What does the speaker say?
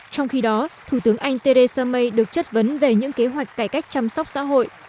trong khi đó thủ tướng anh theresa may được chất vấn về những kế hoạch cải cách chăm sóc xã hội